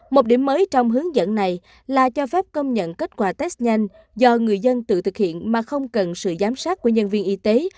một điểm mới trong hướng dẫn này là cho phép công nhận kết quả test nhanh do người dân tự thực hiện mà không cần sự giám sát của nhân viên y tế